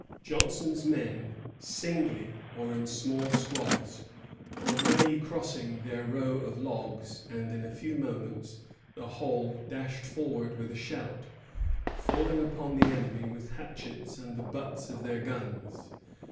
Johnson's men, singly or in small squads, already crossing their row of logs; and in a few moments the whole dashed forward with a shout, falling upon the enemy with hatchets and the butts of their guns.